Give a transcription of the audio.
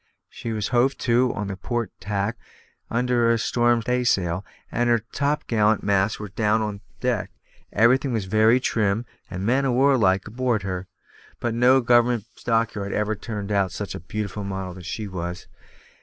She was hove to on the port tack under a storm staysail, and her topgallant masts were down on deck. Everything was very trim and man o' warlike on board her; but no government dockyard ever turned out such a beautiful model as she was.